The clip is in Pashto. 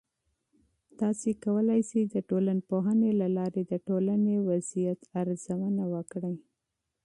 تاسې کولای سئ د ټولنپوهنې له لارې د ټولنې وضعیت ارزونه وکړئ.